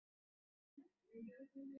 আগে গিয়া কথা বলো, উকিলকে আমি দেখতেছি।